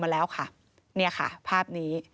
มาแล้วค่ะเนี่ยค่ะภาพนี้